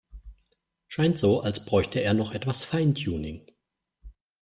Scheint so, als bräuchte er noch etwas Feintuning.